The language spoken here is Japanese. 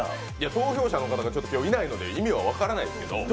投票者の方が今日いないので、意味はわからないんですけど。